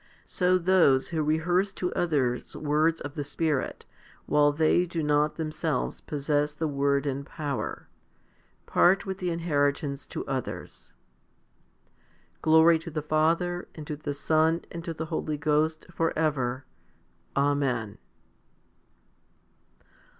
So those who rehearse to others words of the Spirit, while they do not themselves possess the word in power, part with the inheritance to others. Glory to the Father and to the Son and to the Holy Ghost for ever. Amen.